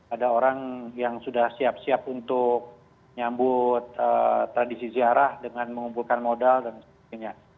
ada orang yang sudah siap siap untuk nyambut tradisi ziarah dengan mengumpulkan modal dan sebagainya